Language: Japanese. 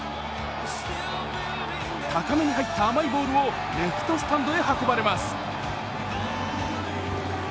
高めに入った甘いボールをレフトスタンドへ運ばれます。